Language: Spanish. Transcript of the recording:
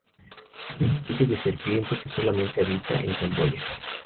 Es una especie de serpiente que solamente habita en Camboya.